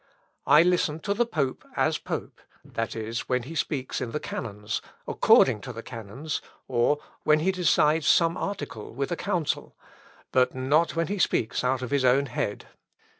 I listen to the pope as pope, that is when he speaks in the canons, according to the canons, or when he decides some article with a council, but not when he speaks out of his own head.